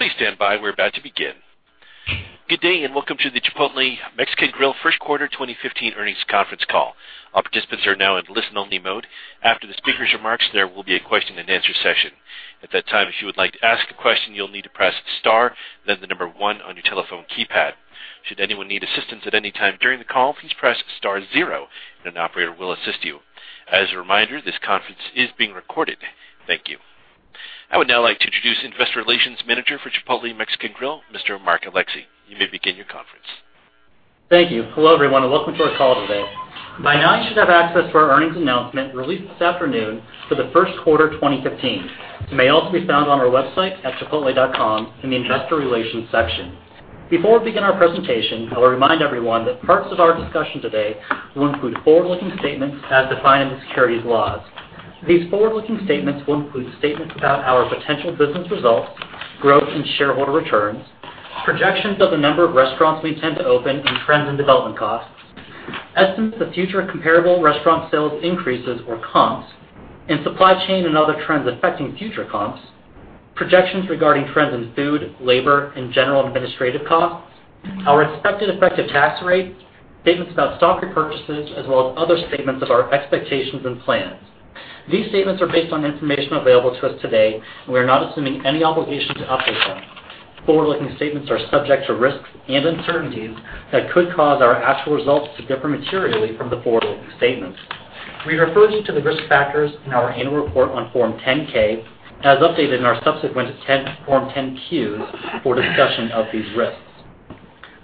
Please stand by. We're about to begin. Good day, and welcome to the Chipotle Mexican Grill first quarter 2015 earnings conference call. All participants are now in listen-only mode. After the speakers' remarks, there will be a question and answer session. At that time, if you would like to ask a question, you'll need to press star, then the number one on your telephone keypad. Should anyone need assistance at any time during the call, please press star zero, and an operator will assist you. As a reminder, this conference is being recorded. Thank you. I would now like to introduce investor relations manager for Chipotle Mexican Grill, Mr. Mark Alexee. You may begin your conference. Thank you. Hello, everyone, and welcome to our call today. By now, you should have access to our earnings announcement released this afternoon for the first quarter 2015. It may also be found on our website at chipotle.com in the investor relations section. Before we begin our presentation, I will remind everyone that parts of our discussion today will include forward-looking statements as defined in securities laws. These forward-looking statements will include statements about our potential business results, growth in shareholder returns, projections of the number of restaurants we intend to open, and trends in development costs, estimates of future comparable restaurant sales increases or comps, and supply chain and other trends affecting future comps, projections regarding trends in food, labor, and general administrative costs, our expected effective tax rate, statements about stock repurchases, as well as other statements of our expectations and plans. These statements are based on information available to us today, and we are not assuming any obligation to update them. Forward-looking statements are subject to risks and uncertainties that could cause our actual results to differ materially from the forward-looking statements. We refer you to the risk factors in our annual report on Form 10-K as updated in our subsequent Form 10-Qs for a discussion of these risks.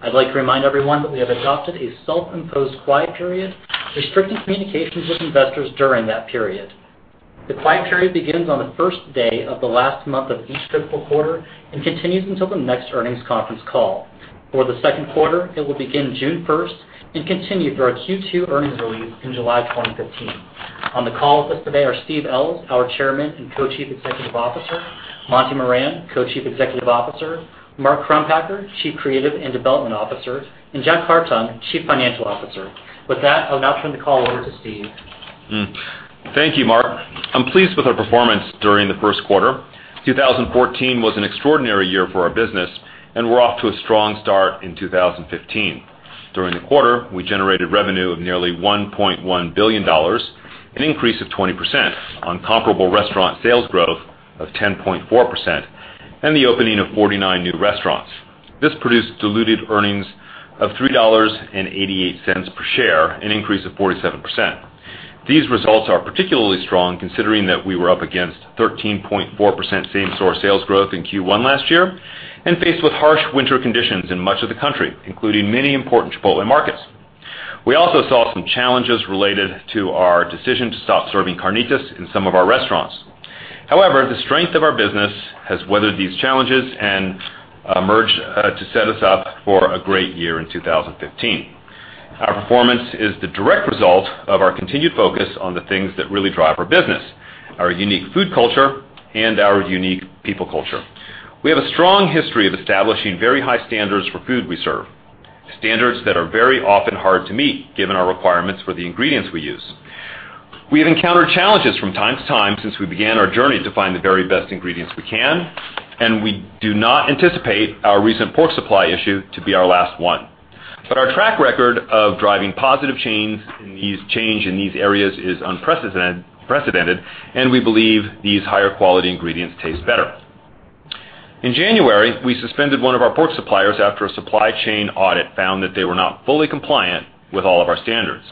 I'd like to remind everyone that we have adopted a self-imposed quiet period restricting communications with investors during that period. The quiet period begins on the first day of the last month of each fiscal quarter and continues until the next earnings conference call. For the second quarter, it will begin June 1st and continue through our Q2 earnings release in July 2015. On the call with us today are Steve Ells, our chairman and co-chief executive officer, Monty Moran, co-chief executive officer, Mark Crumpacker, chief creative and development officer, and Jack Hartung, chief financial officer. With that, I'll now turn the call over to Steve. Thank you, Mark. I'm pleased with our performance during the first quarter. 2014 was an extraordinary year for our business, and we're off to a strong start in 2015. During the quarter, we generated revenue of nearly $1.1 billion, an increase of 20% on comparable restaurant sales growth of 10.4% and the opening of 49 new restaurants. This produced diluted earnings of $3.88 per share, an increase of 47%. These results are particularly strong considering that we were up against 13.4% same-store sales growth in Q1 last year and faced with harsh winter conditions in much of the country, including many important Chipotle markets. We also saw some challenges related to our decision to stop serving carnitas in some of our restaurants. The strength of our business has weathered these challenges and emerged to set us up for a great year in 2015. Our performance is the direct result of our continued focus on the things that really drive our business, our unique food culture and our unique people culture. We have a strong history of establishing very high standards for food we serve, standards that are very often hard to meet given our requirements for the ingredients we use. We have encountered challenges from time to time since we began our journey to find the very best ingredients we can. We do not anticipate our recent pork supply issue to be our last one. Our track record of driving positive change in these areas is unprecedented, and we believe these higher-quality ingredients taste better. In January, we suspended one of our pork suppliers after a supply chain audit found that they were not fully compliant with all of our standards.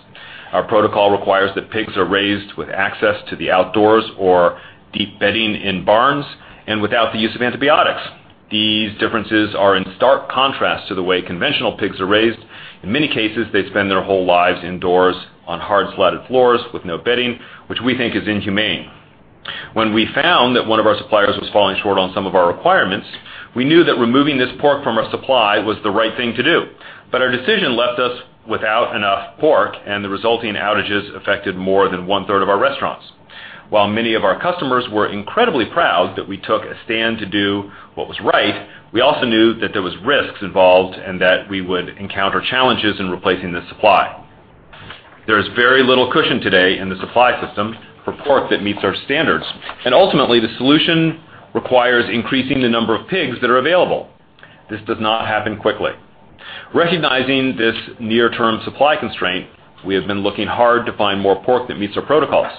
Our protocol requires that pigs are raised with access to the outdoors or deep bedding in barns and without the use of antibiotics. These differences are in stark contrast to the way conventional pigs are raised. In many cases, they spend their whole lives indoors on hard slatted floors with no bedding, which we think is inhumane. When we found that one of our suppliers was falling short on some of our requirements, we knew that removing this pork from our supply was the right thing to do. Our decision left us without enough pork, and the resulting outages affected more than one-third of our restaurants. While many of our customers were incredibly proud that we took a stand to do what was right, we also knew that there was risks involved and that we would encounter challenges in replacing this supply. There is very little cushion today in the supply system for pork that meets our standards. Ultimately, the solution requires increasing the number of pigs that are available. This does not happen quickly. Recognizing this near-term supply constraint, we have been looking hard to find more pork that meets our protocols.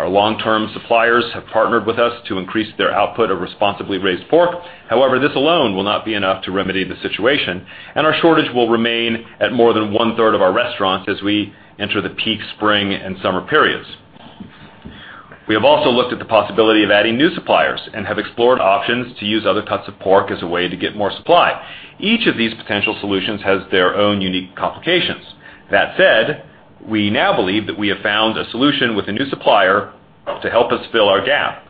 Our long-term suppliers have partnered with us to increase their output of responsibly raised pork. This alone will not be enough to remedy the situation, and our shortage will remain at more than one-third of our restaurants as we enter the peak spring and summer periods. We have also looked at the possibility of adding new suppliers and have explored options to use other cuts of pork as a way to get more supply. Each of these potential solutions has their own unique complications. That said, we now believe that we have found a solution with a new supplier to help us fill our gap.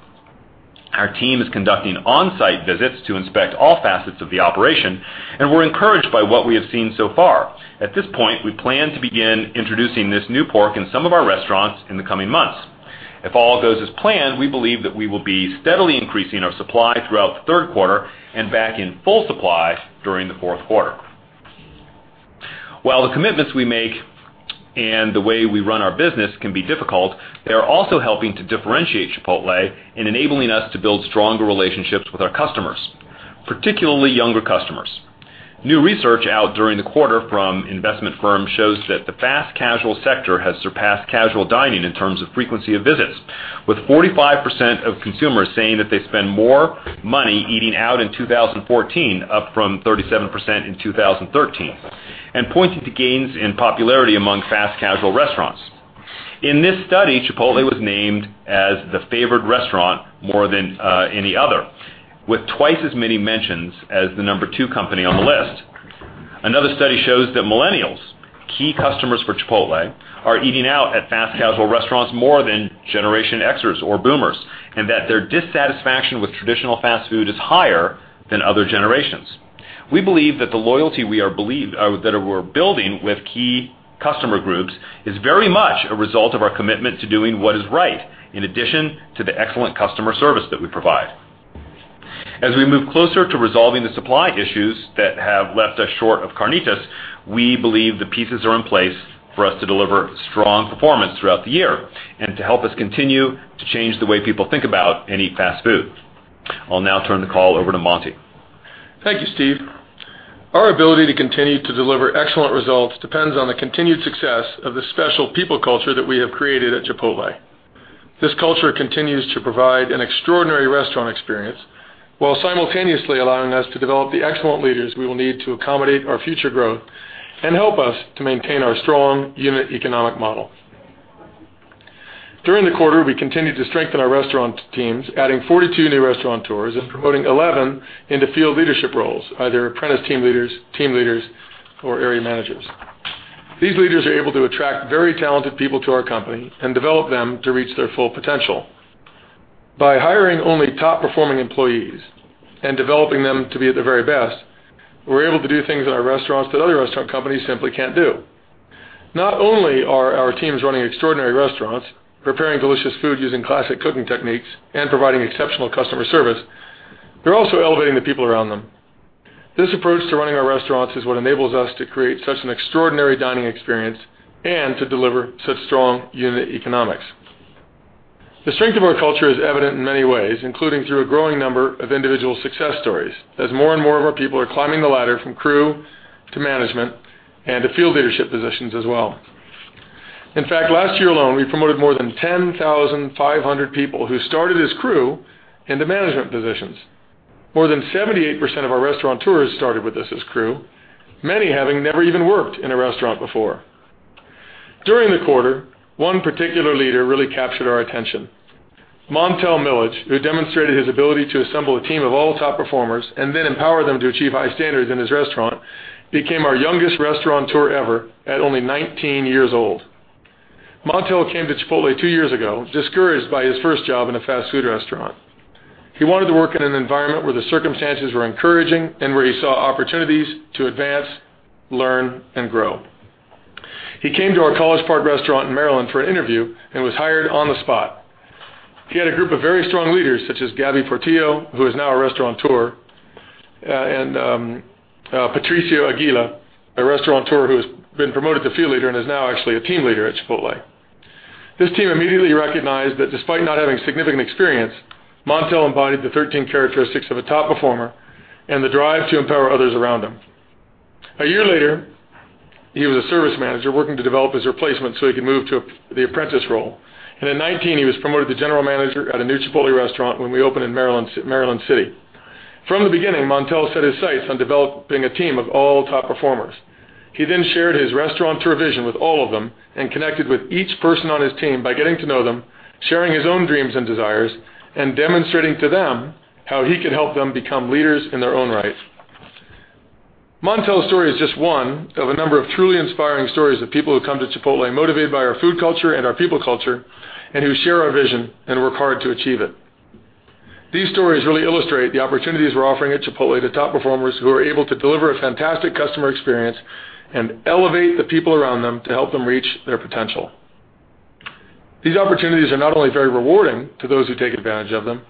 Our team is conducting on-site visits to inspect all facets of the operation, and we're encouraged by what we have seen so far. At this point, we plan to begin introducing this new pork in some of our restaurants in the coming months. If all goes as planned, we believe that we will be steadily increasing our supply throughout the third quarter and back in full supply during the fourth quarter. While the commitments we make and the way we run our business can be difficult, they're also helping to differentiate Chipotle in enabling us to build stronger relationships with our customers, particularly younger customers. New research out during the quarter from investment firms shows that the fast-casual sector has surpassed casual dining in terms of frequency of visits, with 45% of consumers saying that they spend more money eating out in 2014, up from 37% in 2013, and pointing to gains in popularity among fast-casual restaurants. In this study, Chipotle was named as the favored restaurant more than any other, with twice as many mentions as the number two company on the list. Another study shows that Millennials, key customers for Chipotle, are eating out at fast-casual restaurants more than Generation Xers or Boomers, and that their dissatisfaction with traditional fast food is higher than other generations. We believe that the loyalty we're building with key customer groups is very much a result of our commitment to doing what is right, in addition to the excellent customer service that we provide. As we move closer to resolving the supply issues that have left us short of carnitas, we believe the pieces are in place for us to deliver strong performance throughout the year and to help us continue to change the way people think about and eat fast food. I'll now turn the call over to Monty. Thank you, Steve. Our ability to continue to deliver excellent results depends on the continued success of the special people culture that we have created at Chipotle. This culture continues to provide an extraordinary restaurant experience while simultaneously allowing us to develop the excellent leaders we will need to accommodate our future growth and help us to maintain our strong unit economic model. During the quarter, we continued to strengthen our restaurant teams, adding 42 new restaurateurs and promoting 11 into field leadership roles, either apprentice team leaders, team leaders, or area managers. These leaders are able to attract very talented people to our company and develop them to reach their full potential. By hiring only top-performing employees and developing them to be at their very best, we're able to do things in our restaurants that other restaurant companies simply can't do. Not only are our teams running extraordinary restaurants, preparing delicious food using classic cooking techniques, and providing exceptional customer service, they're also elevating the people around them. This approach to running our restaurants is what enables us to create such an extraordinary dining experience and to deliver such strong unit economics. The strength of our culture is evident in many ways, including through a growing number of individual success stories, as more and more of our people are climbing the ladder from crew to management and to field leadership positions as well. In fact, last year alone, we promoted more than 10,500 people who started as crew into management positions. More than 78% of our restaurateurs started with us as crew, many having never even worked in a restaurant before. During the quarter, one particular leader really captured our attention. Montel Millage, who demonstrated his ability to assemble a team of all top performers and then empower them to achieve high standards in his restaurant, became our youngest restaurateur ever at only 19 years old. Montel came to Chipotle two years ago, discouraged by his first job in a fast food restaurant. He wanted to work in an environment where the circumstances were encouraging and where he saw opportunities to advance, learn, and grow. He came to our College Park restaurant in Maryland for an interview and was hired on the spot. He had a group of very strong leaders, such as Gabby Portillo, who is now a restaurateur, and Patricio Aguila, a restaurateur who has been promoted to field leader and is now actually a team leader at Chipotle. This team immediately recognized that despite not having significant experience, Montel embodied the 13 characteristics of a top performer and the drive to empower others around him. A year later, he was a service manager working to develop his replacement so he could move to the apprentice role. At 19, he was promoted to general manager at a new Chipotle restaurant when we opened in Maryland City. From the beginning, Montel set his sights on developing a team of all top performers. He then shared his restaurateur vision with all of them and connected with each person on his team by getting to know them, sharing his own dreams and desires, and demonstrating to them how he could help them become leaders in their own right. Montel's story is just one of a number of truly inspiring stories of people who come to Chipotle motivated by our food culture and our people culture, and who share our vision and work hard to achieve it. These stories really illustrate the opportunities we're offering at Chipotle to top performers who are able to deliver a fantastic customer experience and elevate the people around them to help them reach their potential. These opportunities are not only very rewarding to those who take advantage of them,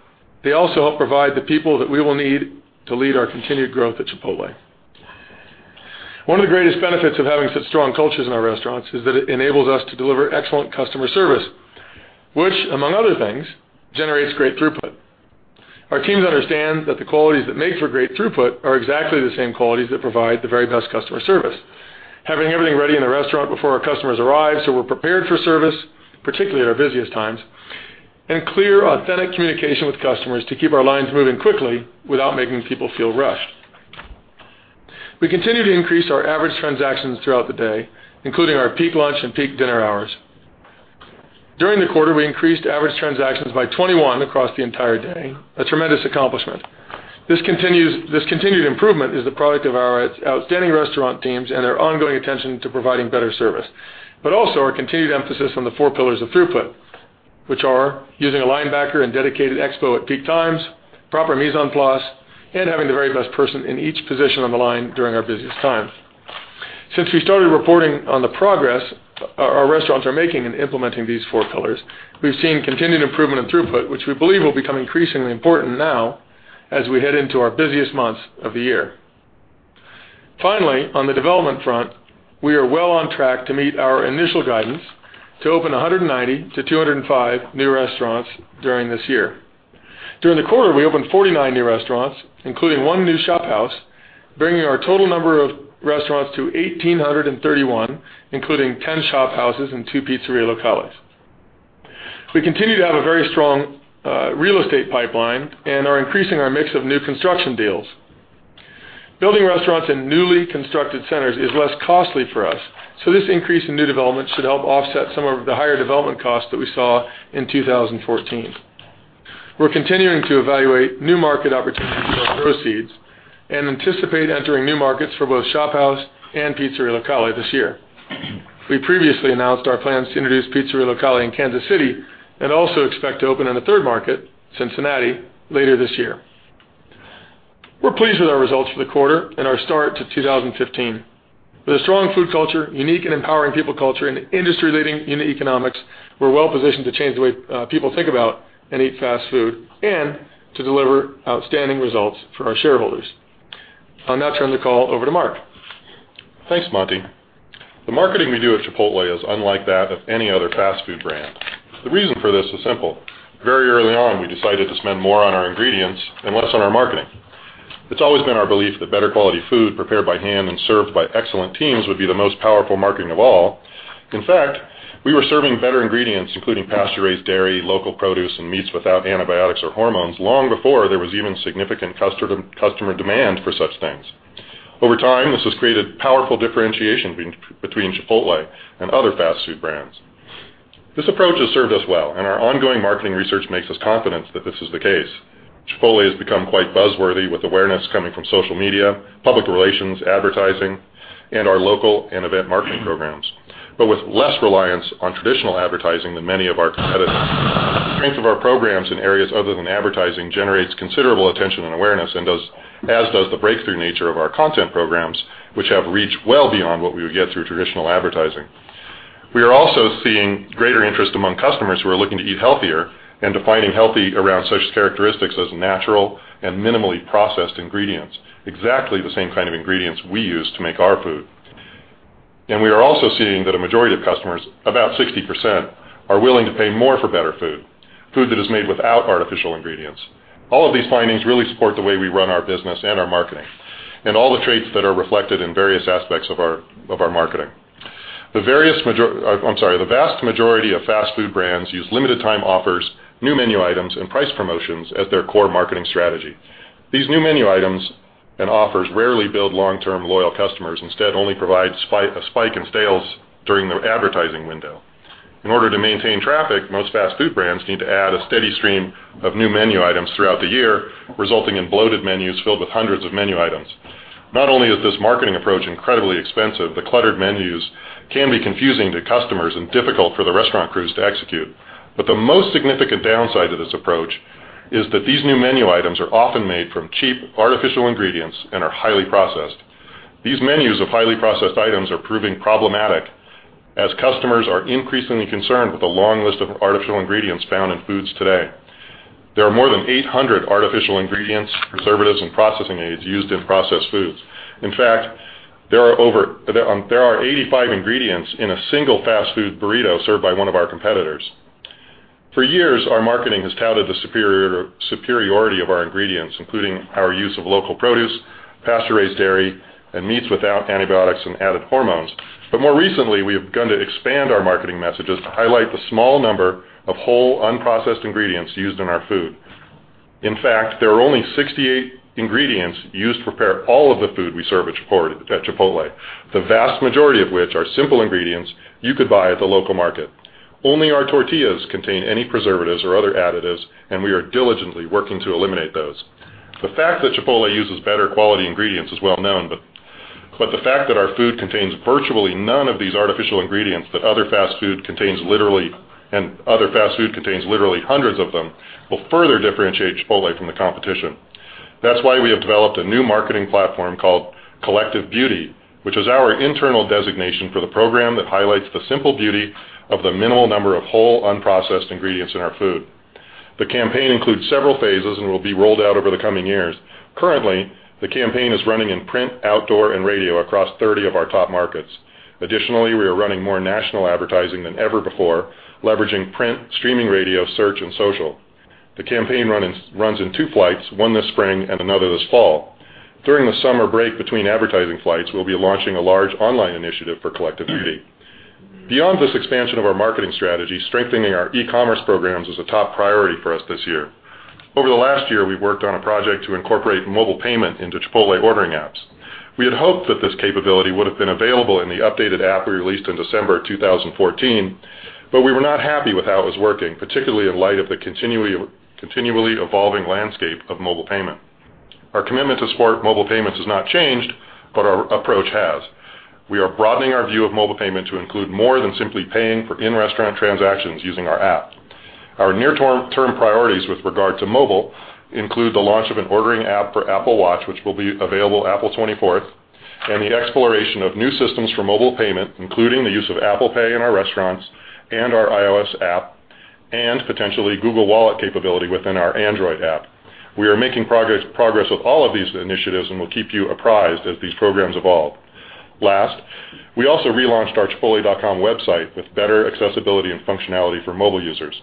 they also help provide the people that we will need to lead our continued growth at Chipotle. One of the greatest benefits of having such strong cultures in our restaurants is that it enables us to deliver excellent customer service, which, among other things, generates great throughput. Our teams understand that the qualities that make for great throughput are exactly the same qualities that provide the very best customer service. Having everything ready in the restaurant before our customers arrive, so we're prepared for service, particularly at our busiest times, and clear, authentic communication with customers to keep our lines moving quickly without making people feel rushed. We continue to increase our average transactions throughout the day, including our peak lunch and peak dinner hours. During the quarter, we increased average transactions by 21 across the entire day, a tremendous accomplishment. This continued improvement is the product of our outstanding restaurant teams and their ongoing attention to providing better service, also our continued emphasis on the four pillars of throughput, which are using a linebacker and dedicated expo at peak times, proper mise en place, and having the very best person in each position on the line during our busiest times. Since we started reporting on the progress our restaurants are making in implementing these four pillars, we've seen continued improvement in throughput, which we believe will become increasingly important now as we head into our busiest months of the year. Finally, on the development front, we are well on track to meet our initial guidance to open 190 to 205 new restaurants during this year. During the quarter, we opened 49 new restaurants, including one new ShopHouse, bringing our total number of restaurants to 1,831, including 10 ShopHouses and two Pizzeria Locales. We continue to have a very strong real estate pipeline and are increasing our mix of new construction deals. Building restaurants in newly constructed centers is less costly for us, this increase in new development should help offset some of the higher development costs that we saw in 2014. We're continuing to evaluate new market opportunities for our proceeds and anticipate entering new markets for both ShopHouse and Pizzeria Locale this year. We previously announced our plans to introduce Pizzeria Locale in Kansas City and also expect to open in a third market, Cincinnati, later this year. We're pleased with our results for the quarter and our start to 2015. With a strong food culture, unique and empowering people culture, industry-leading unit economics, we're well positioned to change the way people think about and eat fast food, to deliver outstanding results for our shareholders. I'll now turn the call over to Mark. Thanks, Monty. The marketing we do at Chipotle is unlike that of any other fast food brand. The reason for this is simple. Very early on, we decided to spend more on our ingredients and less on our marketing. It's always been our belief that better quality food prepared by hand and served by excellent teams would be the most powerful marketing of all. In fact, we were serving better ingredients, including pasteurized dairy, local produce, and meats without antibiotics or hormones, long before there was even significant customer demand for such things. Over time, this has created powerful differentiation between Chipotle and other fast food brands. This approach has served us well, and our ongoing marketing research makes us confident that this is the case. Chipotle has become quite buzz-worthy, with awareness coming from social media, public relations, advertising, and our local and event marketing programs. With less reliance on traditional advertising than many of our competitors. The strength of our programs in areas other than advertising generates considerable attention and awareness, and as does the breakthrough nature of our content programs, which have reached well beyond what we would get through traditional advertising. We are also seeing greater interest among customers who are looking to eat healthier and defining healthy around such characteristics as natural and minimally processed ingredients, exactly the same kind of ingredients we use to make our food. We are also seeing that a majority of customers, about 60%, are willing to pay more for better food. Food that is made without artificial ingredients. All of these findings really support the way we run our business and our marketing, and all the traits that are reflected in various aspects of our marketing. The vast majority of fast food brands use limited time offers, new menu items, and price promotions as their core marketing strategy. These new menu items and offers rarely build long-term loyal customers, instead only provide a spike in sales during the advertising window. In order to maintain traffic, most fast food brands need to add a steady stream of new menu items throughout the year, resulting in bloated menus filled with hundreds of menu items. Not only is this marketing approach incredibly expensive, the cluttered menus can be confusing to customers and difficult for the restaurant crews to execute. The most significant downside to this approach is that these new menu items are often made from cheap artificial ingredients and are highly processed. These menus of highly processed items are proving problematic as customers are increasingly concerned with the long list of artificial ingredients found in foods today. There are more than 800 artificial ingredients, preservatives, and processing aids used in processed foods. In fact, there are 85 ingredients in a single fast food burrito served by one of our competitors. For years, our marketing has touted the superiority of our ingredients, including our use of local produce, pasteurized dairy, and meats without antibiotics and added hormones. More recently, we have begun to expand our marketing messages to highlight the small number of whole, unprocessed ingredients used in our food. In fact, there are only 68 ingredients used to prepare all of the food we serve at Chipotle, the vast majority of which are simple ingredients you could buy at the local market. Only our tortillas contain any preservatives or other additives, and we are diligently working to eliminate those. The fact that Chipotle uses better quality ingredients is well known, but the fact that our food contains virtually none of these artificial ingredients, that other fast food contains literally hundreds of them, will further differentiate Chipotle from the competition. That's why we have developed a new marketing platform called Collective Beauty, which is our internal designation for the program that highlights the simple beauty of the minimal number of whole, unprocessed ingredients in our food. The campaign includes several phases and will be rolled out over the coming years. Currently, the campaign is running in print, outdoor, and radio across 30 of our top markets. Additionally, we are running more national advertising than ever before, leveraging print, streaming radio, search, and social. The campaign runs in two flights, one this spring and another this fall. During the summer break between advertising flights, we'll be launching a large online initiative for Collective Beauty. Beyond this expansion of our marketing strategy, strengthening our e-commerce programs is a top priority for us this year. Over the last year, we've worked on a project to incorporate mobile payment into Chipotle ordering apps. We had hoped that this capability would have been available in the updated app we released in December 2014, but we were not happy with how it was working, particularly in light of the continually evolving landscape of mobile payment. Our commitment to support mobile payments has not changed, but our approach has. We are broadening our view of mobile payment to include more than simply paying for in-restaurant transactions using our app. Our near-term priorities with regard to mobile include the launch of an ordering app for Apple Watch, which will be available April 24th, and the exploration of new systems for mobile payment, including the use of Apple Pay in our restaurants and our iOS app. Potentially Google Wallet capability within our Android app. We are making progress with all of these initiatives and will keep you apprised as these programs evolve. Last, we also relaunched our chipotle.com website with better accessibility and functionality for mobile users.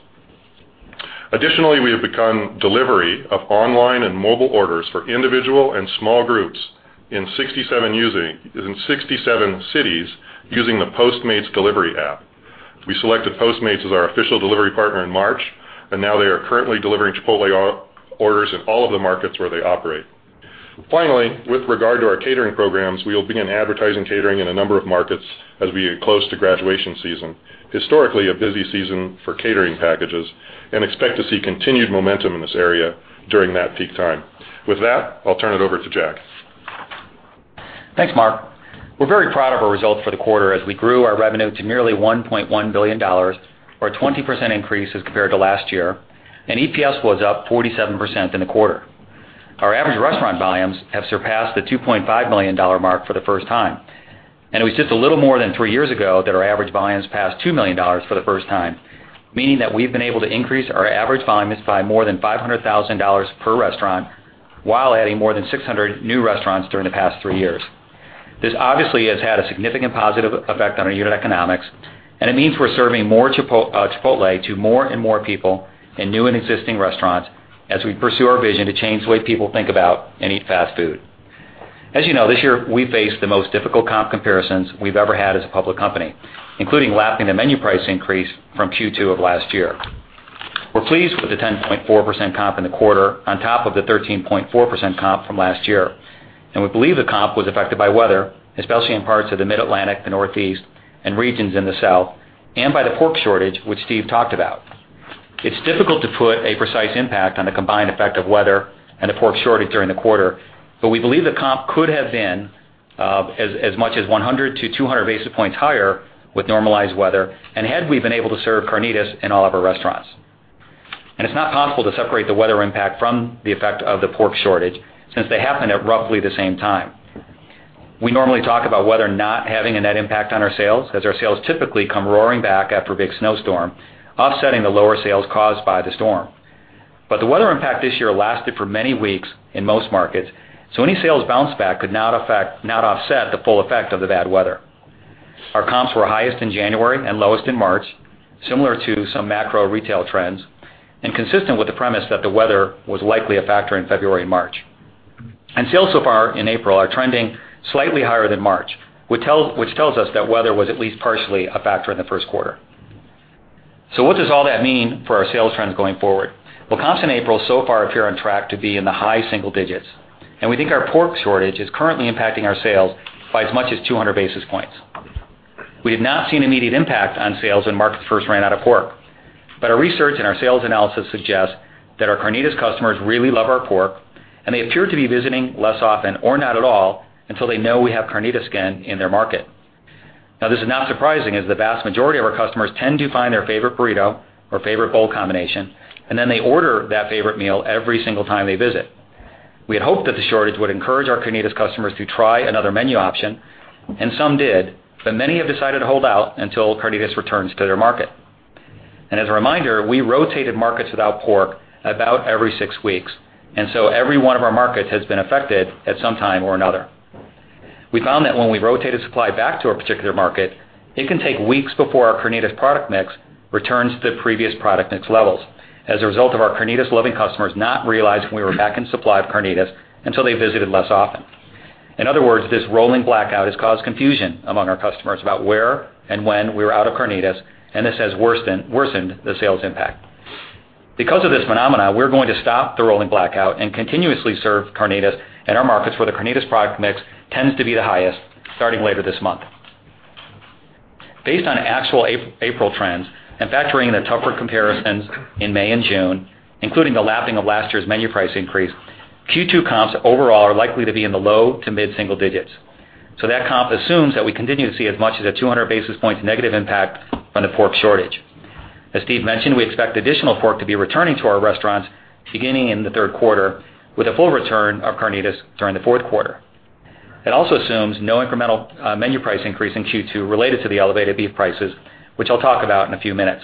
Additionally, we have begun delivery of online and mobile orders for individual and small groups in 67 cities using the Postmates delivery app. We selected Postmates as our official delivery partner in March, and now they are currently delivering Chipotle orders in all of the markets where they operate. Finally, with regard to our catering programs, we will begin advertising catering in a number of markets as we get close to graduation season, historically a busy season for catering packages, and expect to see continued momentum in this area during that peak time. With that, I'll turn it over to Jack. Thanks, Mark. We're very proud of our results for the quarter as we grew our revenue to nearly $1.1 billion, or a 20% increase as compared to last year, and EPS was up 47% in the quarter. Our average restaurant volumes have surpassed the $2.5 million mark for the first time, and it was just a little more than three years ago that our average volumes passed $2 million for the first time, meaning that we've been able to increase our average volumes by more than $500,000 per restaurant while adding more than 600 new restaurants during the past three years. This obviously has had a significant positive effect on our unit economics, and it means we're serving more Chipotle to more and more people in new and existing restaurants as we pursue our vision to change the way people think about and eat fast food. As you know, this year we face the most difficult comp comparisons we've ever had as a public company, including lapping the menu price increase from Q2 of last year. We're pleased with the 10.4% comp in the quarter on top of the 13.4% comp from last year. We believe the comp was affected by weather, especially in parts of the Mid-Atlantic, the Northeast, and regions in the South, and by the pork shortage, which Steve talked about. It's difficult to put a precise impact on the combined effect of weather and the pork shortage during the quarter, but we believe the comp could have been as much as 100-200 basis points higher with normalized weather, and had we been able to serve carnitas in all of our restaurants. It's not possible to separate the weather impact from the effect of the pork shortage, since they happened at roughly the same time. We normally talk about weather not having a net impact on our sales, as our sales typically come roaring back after a big snowstorm, offsetting the lower sales caused by the storm. The weather impact this year lasted for many weeks in most markets, so any sales bounce back could not offset the full effect of the bad weather. Our comps were highest in January and lowest in March, similar to some macro retail trends, and consistent with the premise that the weather was likely a factor in February and March. Sales so far in April are trending slightly higher than March, which tells us that weather was at least partially a factor in the first quarter. What does all that mean for our sales trends going forward? Well, comps in April so far appear on track to be in the high single digits, and we think our pork shortage is currently impacting our sales by as much as 200 basis points. We have not seen immediate impact on sales in markets first ran out of pork. Our research and our sales analysis suggests that our carnitas customers really love our pork, and they appear to be visiting less often or not at all until they know we have carnitas again in their market. Now, this is not surprising, as the vast majority of our customers tend to find their favorite burrito or favorite bowl combination, and then they order that favorite meal every single time they visit. We had hoped that the shortage would encourage our carnitas customers to try another menu option, and some did, but many have decided to hold out until carnitas returns to their market. As a reminder, we rotated markets without pork about every 6 weeks, and so every one of our markets has been affected at some time or another. We found that when we rotated supply back to a particular market, it can take weeks before our carnitas product mix returns to previous product mix levels as a result of our carnitas-loving customers not realizing we were back in supply of carnitas until they visited less often. In other words, this rolling blackout has caused confusion among our customers about where and when we were out of carnitas, and this has worsened the sales impact. Because of this phenomenon, we're going to stop the rolling blackout and continuously serve carnitas in our markets where the carnitas product mix tends to be the highest, starting later this month. Based on actual April trends and factoring in the tougher comparisons in May and June, including the lapping of last year's menu price increase, Q2 comps overall are likely to be in the low to mid single digits. That comp assumes that we continue to see as much as a 200 basis points negative impact from the pork shortage. As Steve mentioned, we expect additional pork to be returning to our restaurants beginning in the third quarter, with a full return of carnitas during the fourth quarter. It also assumes no incremental menu price increase in Q2 related to the elevated beef prices, which I'll talk about in a few minutes.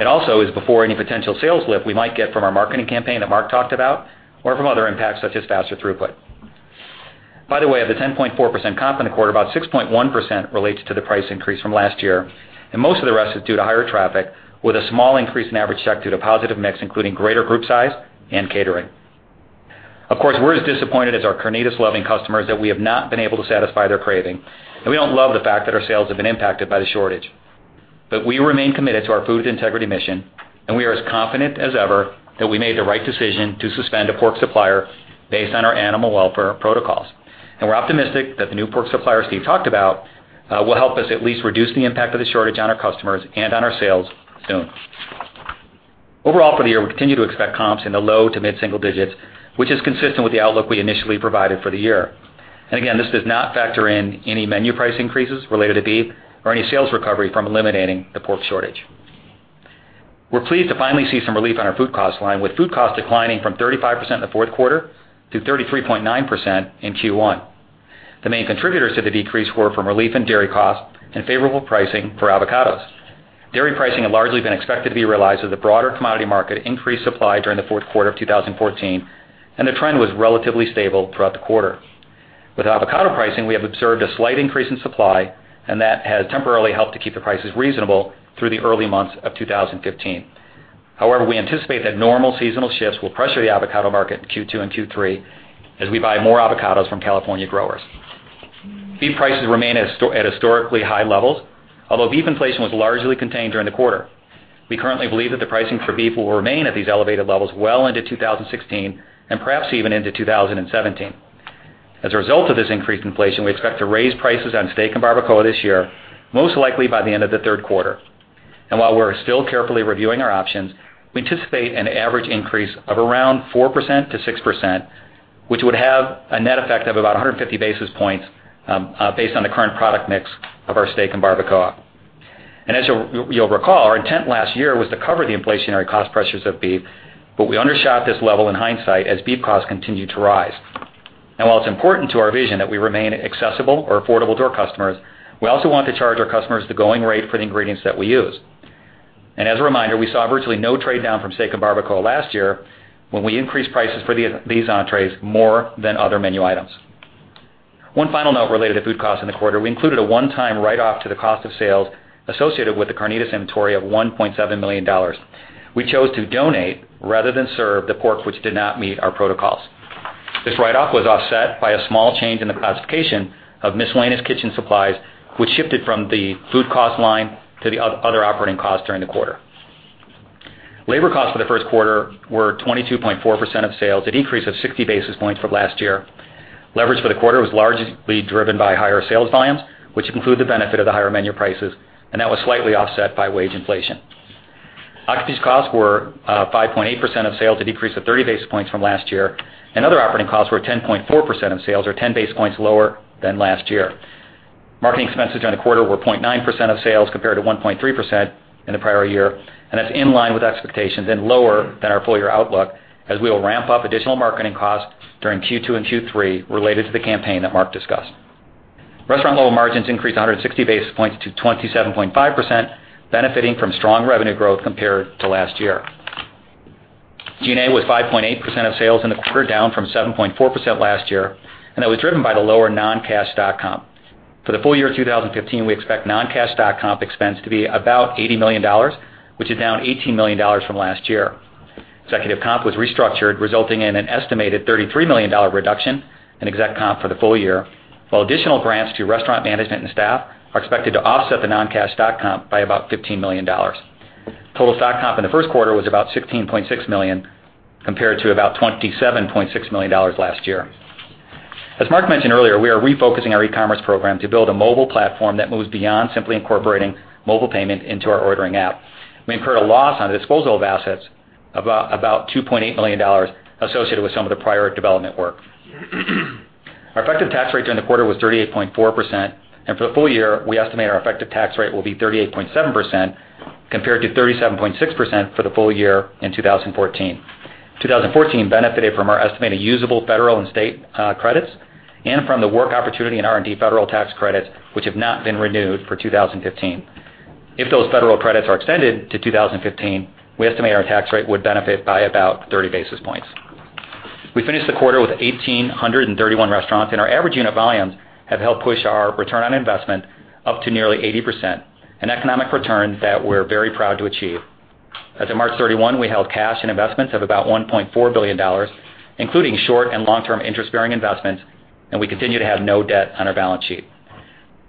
It also is before any potential sales lift we might get from our marketing campaign that Mark talked about, or from other impacts such as faster throughput. By the way, of the 10.4% comp in the quarter, about 6.1% relates to the price increase from last year, and most of the rest is due to higher traffic, with a small increase in average check due to positive mix, including greater group size and catering. Of course, we're as disappointed as our carnitas-loving customers that we have not been able to satisfy their craving, and we don't love the fact that our sales have been impacted by the shortage. We remain committed to our food integrity mission, and we are as confident as ever that we made the right decision to suspend a pork supplier based on our animal welfare protocols. We're optimistic that the new pork supplier Steve talked about will help us at least reduce the impact of the shortage on our customers and on our sales soon. Overall, for the year, we continue to expect comps in the low to mid single digits, which is consistent with the outlook we initially provided for the year. Again, this does not factor in any menu price increases related to beef or any sales recovery from eliminating the pork shortage. We're pleased to finally see some relief on our food cost line, with food cost declining from 35% in the fourth quarter to 33.9% in Q1. The main contributors to the decrease were from relief in dairy costs and favorable pricing for avocados. Dairy pricing had largely been expected to be realized as the broader commodity market increased supply during the fourth quarter of 2014. The trend was relatively stable throughout the quarter. With avocado pricing, we have observed a slight increase in supply. That has temporarily helped to keep the prices reasonable through the early months of 2015. However, we anticipate that normal seasonal shifts will pressure the avocado market in Q2 and Q3 as we buy more avocados from California growers. Beef prices remain at historically high levels, although beef inflation was largely contained during the quarter. We currently believe that the pricing for beef will remain at these elevated levels well into 2016. Perhaps even into 2017. As a result of this increased inflation, we expect to raise prices on steak and barbacoa this year, most likely by the end of the third quarter. While we're still carefully reviewing our options, we anticipate an average increase of around 4%-6%, which would have a net effect of about 150 basis points based on the current product mix of our steak and barbacoa. As you'll recall, our intent last year was to cover the inflationary cost pressures of beef, but we undershot this level in hindsight as beef costs continued to rise. While it's important to our vision that we remain accessible or affordable to our customers, we also want to charge our customers the going rate for the ingredients that we use. As a reminder, we saw virtually no trade-down from steak and barbacoa last year when we increased prices for these entrees more than other menu items. One final note related to food cost in the quarter, we included a one-time write-off to the cost of sales associated with the carnitas inventory of $1.7 million. We chose to donate, rather than serve the pork which did not meet our protocols. This write-off was offset by a small change in the classification of miscellaneous kitchen supplies, which shifted from the food cost line to the other operating costs during the quarter. Labor costs for the first quarter were 22.4% of sales, a decrease of 60 basis points from last year. Leverage for the quarter was largely driven by higher sales volumes, which include the benefit of the higher menu prices. That was slightly offset by wage inflation. Occupancy costs were 5.8% of sales, a decrease of 30 basis points from last year. Other operating costs were 10.4% of sales, or 10 basis points lower than last year. Marketing expenses during the quarter were 0.9% of sales, compared to 1.3% in the prior year. That's in line with expectations and lower than our full-year outlook, as we will ramp up additional marketing costs during Q2 and Q3 related to the campaign that Mark discussed. Restaurant level margins increased 160 basis points to 27.5%, benefiting from strong revenue growth compared to last year. G&A was 5.8% of sales in the quarter, down from 7.4% last year. That was driven by the lower non-cash stock comp. For the full year 2015, we expect non-cash stock comp expense to be about $80 million, which is down $18 million from last year. Executive comp was restructured, resulting in an estimated $33 million reduction in exec comp for the full year, while additional grants to restaurant management and staff are expected to offset the non-cash stock comp by about $15 million. Total stock comp in the first quarter was about $16.6 million, compared to about $27.6 million last year. As Mark mentioned earlier, we are refocusing our e-commerce program to build a mobile platform that moves beyond simply incorporating mobile payment into our ordering app. We incurred a loss on the disposal of assets of about $2.8 million associated with some of the prior development work. Our effective tax rate during the quarter was 38.4%, and for the full year, we estimate our effective tax rate will be 38.7%, compared to 37.6% for the full year in 2014. 2014 benefited from our estimated usable federal and state credits from the work opportunity in R&D federal tax credits, which have not been renewed for 2015. If those federal credits are extended to 2015, we estimate our tax rate would benefit by about 30 basis points. We finished the quarter with 1,831 restaurants, our average unit volumes have helped push our return on investment up to nearly 80%, an economic return that we're very proud to achieve. As of March 31, we held cash and investments of about $1.4 billion, including short and long-term interest-bearing investments. We continue to have no debt on our balance sheet.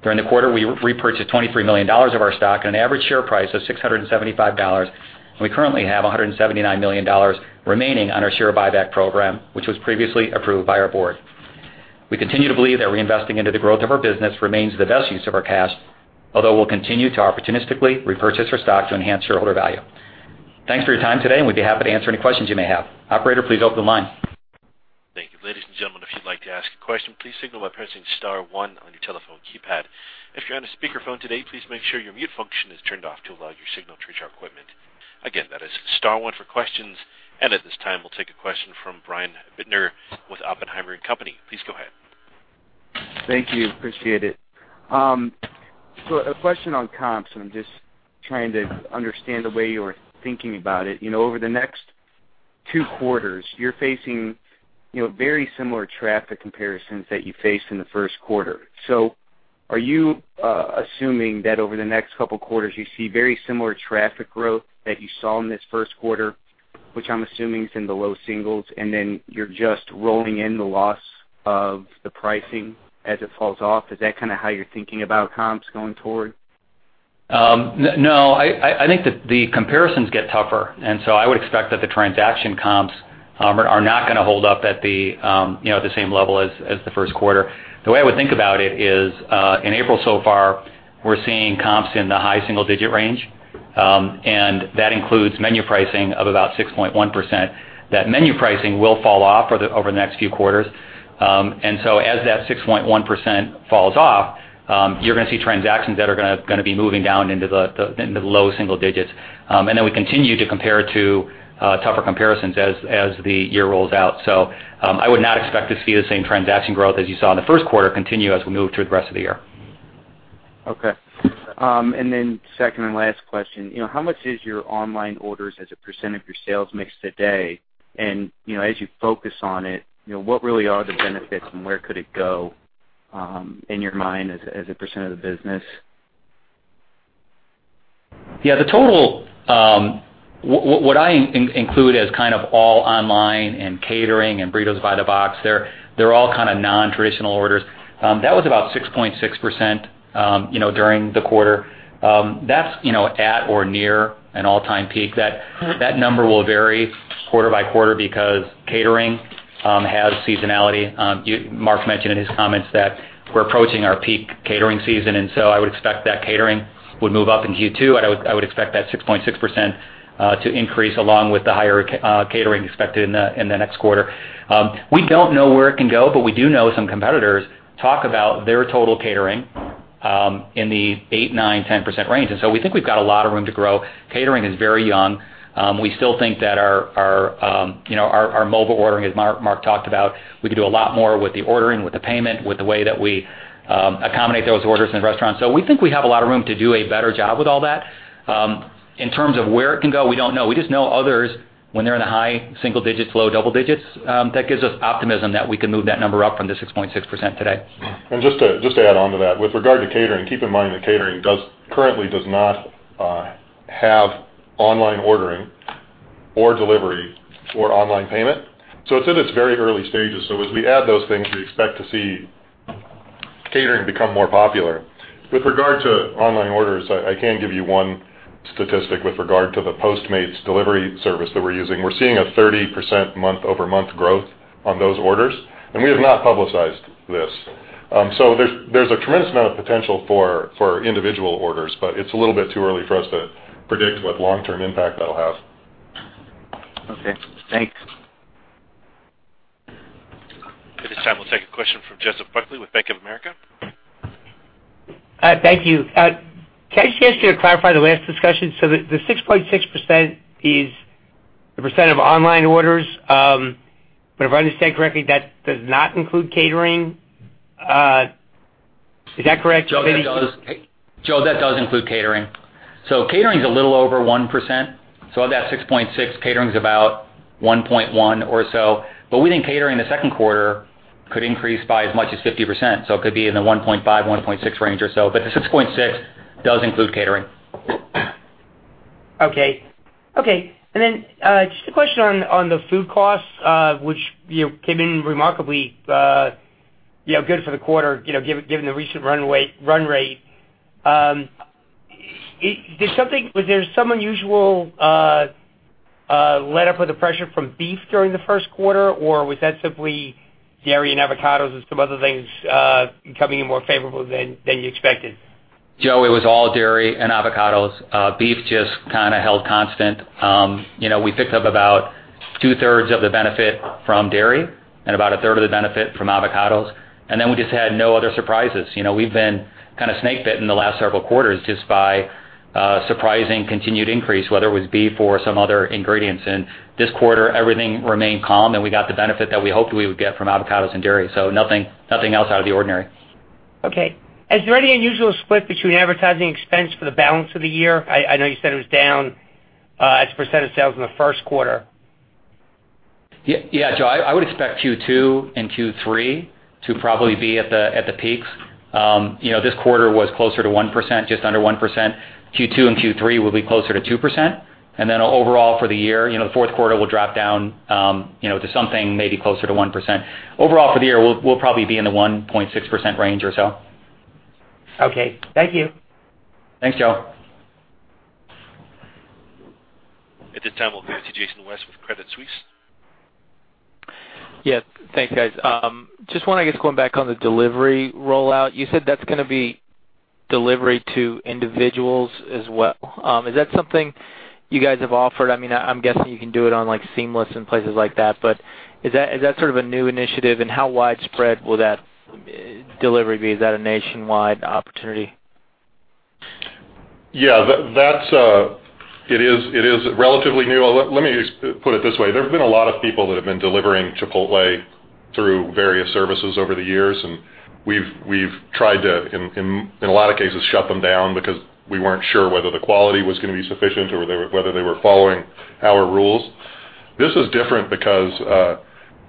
During the quarter, we repurchased $23 million of our stock at an average share price of $675. We currently have $179 million remaining on our share buyback program, which was previously approved by our board. We continue to believe that reinvesting into the growth of our business remains the best use of our cash, although we'll continue to opportunistically repurchase our stock to enhance shareholder value. Thanks for your time today. We'd be happy to answer any questions you may have. Operator, please open the line. Thank you. Ladies and gentlemen, if you'd like to ask a question, please signal by pressing *1 on your telephone keypad. If you're on a speakerphone today, please make sure your mute function is turned off to allow your signal to reach our equipment. Again, that is *1 for questions. At this time, we'll take a question from Brian Bittner with Oppenheimer and Company. Please go ahead. Thank you. Appreciate it. A question on comps, I'm just trying to understand the way you're thinking about it. Over the next two quarters, you're facing very similar traffic comparisons that you faced in the first quarter. Are you assuming that over the next couple of quarters, you see very similar traffic growth that you saw in this first quarter, which I'm assuming is in the low singles, then you're just rolling in the loss of the pricing as it falls off? Is that kind of how you're thinking about comps going forward? I think that the comparisons get tougher, I would expect that the transaction comps are not going to hold up at the same level as the first quarter. The way I would think about it is, in April so far, we're seeing comps in the high single-digit range, that includes menu pricing of about 6.1%. That menu pricing will fall off over the next few quarters. As that 6.1% falls off, you're going to see transactions that are going to be moving down into the low single digits. We continue to compare to tougher comparisons as the year rolls out. I would not expect to see the same transaction growth as you saw in the first quarter continue as we move through the rest of the year. Second and last question, how much is your online orders as a % of your sales mix today? As you focus on it, what really are the benefits and where could it go, in your mind, as a % of the business? What I include as kind of all online and catering and Burritos by the Box, they're all kind of nontraditional orders. That was about 6.6% during the quarter. That's at or near an all-time peak. That number will vary quarter by quarter because catering has seasonality. Mark mentioned in his comments that we're approaching our peak catering season, I would expect that catering would move up in Q2. I would expect that 6.6% to increase along with the higher catering expected in the next quarter. We don't know where it can go, but we do know some competitors talk about their total catering in the 8, 9, 10% range, we think we've got a lot of room to grow. Catering is very young. We still think that our mobile ordering, as Mark talked about, we could do a lot more with the ordering, with the payment, with the way that we accommodate those orders in restaurants. We think we have a lot of room to do a better job with all that. In terms of where it can go, we don't know. We just know others, when they're in the high single digits, low double digits, that gives us optimism that we can move that number up from the 6.6% today. Just to add on to that, with regard to catering, keep in mind that catering currently does not have online ordering or delivery or online payment. It's in its very early stages. As we add those things, we expect to see catering become more popular. With regard to online orders, I can give you one statistic with regard to the Postmates delivery service that we're using. We're seeing a 30% month-over-month growth on those orders, and we have not publicized this. There's a tremendous amount of potential for individual orders, but it's a little bit too early for us to predict what long-term impact that'll have. Okay, thanks. At this time, we'll take a question from Joseph Buckley with Bank of America. Thank you. Can I just ask you to clarify the last discussion? The 6.6% is the % of online orders. If I understand correctly, that does not include catering. Is that correct? Joe, that does include catering. Catering is a little over 1%. Of that 6.6, catering is about 1.1 or so. We think catering in the second quarter could increase by as much as 50%, so it could be in the 1.5, 1.6 range or so. The 6.6 does include catering. Okay. Just a question on the food costs, which came in remarkably good for the quarter, given the recent run rate. Was there some unusual letup of the pressure from beef during the first quarter, or was that simply dairy and avocados and some other things coming in more favorable than you expected? Joe, it was all dairy and avocados. Beef just kind of held constant. We picked up about two-thirds of the benefit from dairy and about a third of the benefit from avocados, we just had no other surprises. We've been kind of snakebit in the last several quarters just by surprising continued increase, whether it was beef or some other ingredients. This quarter, everything remained calm, and we got the benefit that we hoped we would get from avocados and dairy. Nothing else out of the ordinary. Okay. Is there any unusual split between advertising expense for the balance of the year? I know you said it was down as a percent of sales in the first quarter. Yeah, Joe, I would expect Q2 and Q3 to probably be at the peaks. This quarter was closer to 1%, just under 1%. Q2 and Q3 will be closer to 2%. Overall for the year, the fourth quarter will drop down to something maybe closer to 1%. Overall for the year, we'll probably be in the 1.6% range or so. Okay. Thank you. Thanks, Joe. At this time, we'll go to Jason West with Credit Suisse. Yeah. Thanks, guys. Just want to, I guess, going back on the delivery rollout, you said that's going to be delivery to individuals as well. Is that something you guys have offered? I'm guessing you can do it on Seamless and places like that, but is that sort of a new initiative, and how widespread will that delivery be? Is that a nationwide opportunity? Yeah. It is relatively new. Let me just put it this way. There have been a lot of people that have been delivering Chipotle through various services over the years, and we've tried to, in a lot of cases, shut them down because we weren't sure whether the quality was going to be sufficient or whether they were following our rules. This is different because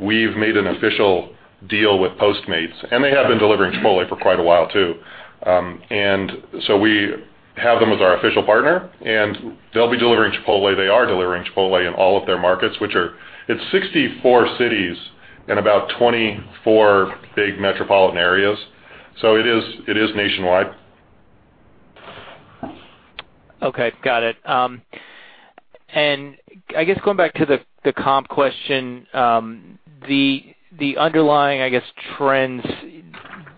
we've made an official deal with Postmates, and they have been delivering Chipotle for quite a while, too. We have them as our official partner, and they'll be delivering Chipotle. They are delivering Chipotle in all of their markets, which are in 64 cities and about 24 big metropolitan areas. So it is nationwide. Okay, got it. I guess going back to the comp question, the underlying trends,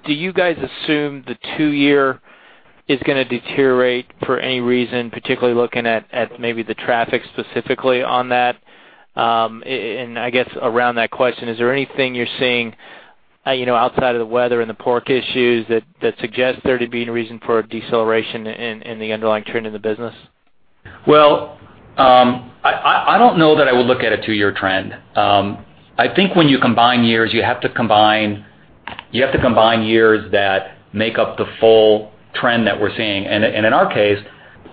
do you guys assume the two-year is going to deteriorate for any reason, particularly looking at maybe the traffic specifically on that. I guess around that question, is there anything you're seeing outside of the weather and the pork issues that suggests there to be any reason for a deceleration in the underlying trend in the business? I don't know that I would look at a two-year trend. I think when you combine years, you have to combine years that make up the full trend that we're seeing. In our case,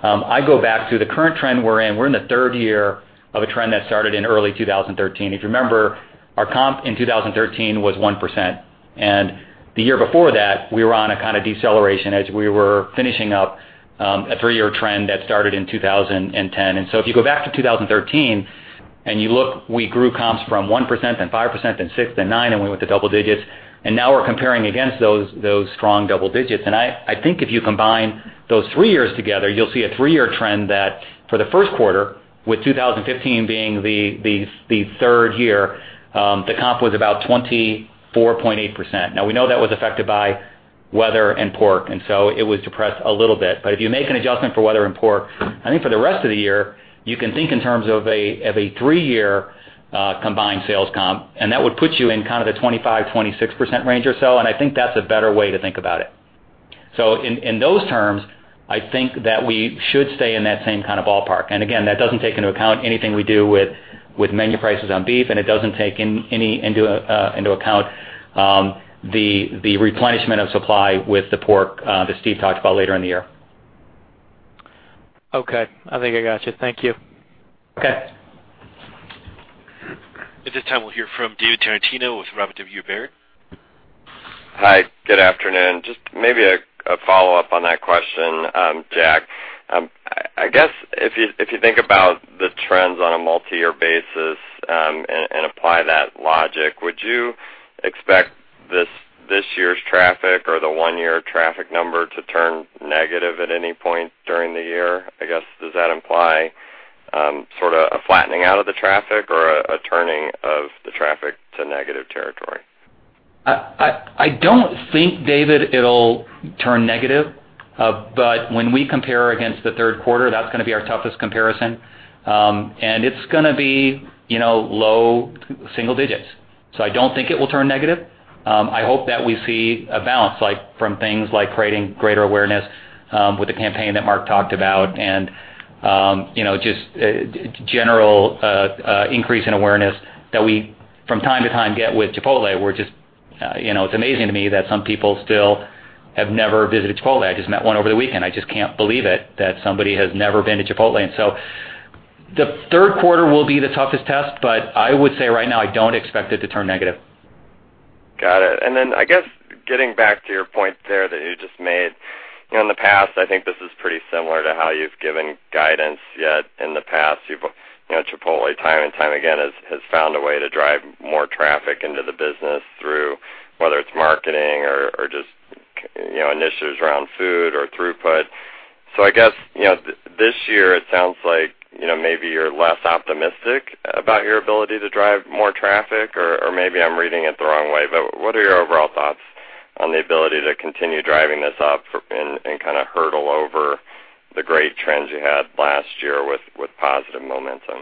I go back to the current trend we're in. We're in the third year of a trend that started in early 2013. If you remember, our comp in 2013 was 1%, and the year before that, we were on a kind of deceleration as we were finishing up a three-year trend that started in 2010. If you go back to 2013 and you look, we grew comps from 1% then 5%, then 6%, then 9%, and we went to double digits, and now we're comparing against those strong double digits. I think if you combine those three years together, you'll see a three-year trend that for the first quarter, with 2015 being the third year, the comp was about 24.8%. We know that was affected by weather and pork, it was depressed a little bit. If you make an adjustment for weather and pork, I think for the rest of the year, you can think in terms of a three-year combined sales comp, that would put you in kind of the 25%-26% range or so, and I think that's a better way to think about it. In those terms, I think that we should stay in that same kind of ballpark. Again, that doesn't take into account anything we do with menu prices on beef, and it doesn't take into account the replenishment of supply with the pork that Steve talked about later in the year. I think I got you. Thank you. Okay. At this time, we'll hear from David Tarantino with Robert W. Baird. Hi. Good afternoon. Just maybe a follow-up on that question, Jack. I guess if you think about the trends on a multi-year basis and apply that logic, would you expect this year's traffic or the one-year traffic number to turn negative at any point during the year? I guess, does that imply sort of a flattening out of the traffic or a turning of the traffic to negative territory? I don't think, David, it'll turn negative. When we compare against the third quarter, that's going to be our toughest comparison. It's going to be low single digits. I don't think it will turn negative. I hope that we see a balance from things like creating greater awareness with the campaign that Mark talked about and just general increase in awareness that we, from time to time, get with Chipotle, where it's amazing to me that some people still have never visited Chipotle. I just met one over the weekend. I just can't believe it, that somebody has never been to Chipotle. The third quarter will be the toughest test, but I would say right now, I don't expect it to turn negative. Got it. I guess getting back to your point there that you just made. In the past, I think this is pretty similar to how you've given guidance yet in the past. Chipotle, time and time again, has found a way to drive more traffic into the business through whether it's marketing or just initiatives around food or throughput. I guess, this year it sounds like maybe you're less optimistic about your ability to drive more traffic, or maybe I'm reading it the wrong way. What are your overall thoughts on the ability to continue driving this up and kind of hurdle over the great trends you had last year with positive momentum?